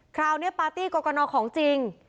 คราวนี้พาร์ตี้กอกอนอร์ของจริง